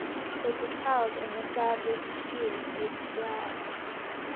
It is held in the third week of June each year.